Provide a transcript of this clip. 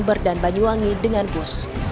jember dan banyuwangi dengan bus